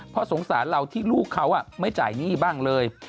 เพราะสงสารเราที่ลูกเขาไม่จ่ายหนี้บ้างเลย